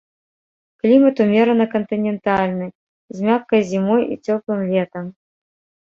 Клімат умерана кантынентальны з мяккай зімой і цёплым летам.